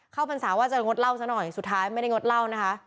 พรรษาว่าจะงดเล่าซะหน่อยสุดท้ายไม่ได้งดเล่านะคะ